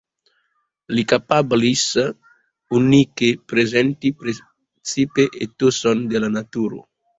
Li kapablis unike prezenti precipe etoson de la naturo.